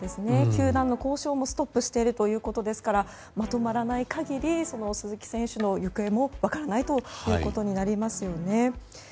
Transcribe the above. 球団の交渉もストップしているということですからまとまらない限り鈴木選手の行方も分からないということになりますよね。